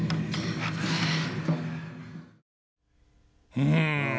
うん！